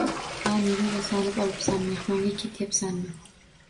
Ha, Nilu, yasanib olibsan, mehmonga ketyapsanmi?